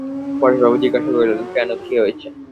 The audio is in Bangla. পরেশবাবু জিজ্ঞাসা করিলেন, কেন, কী হয়েছে?